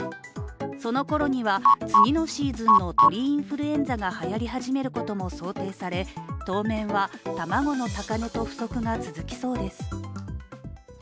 そのころには、次のシーズンの鳥インフルエンザがはやり始めることも想定され、当面は卵の高値と不足が続きそうです。